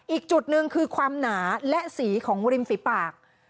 อีกจุดหนึ่งคือความหนาและสีของริมฝีปาก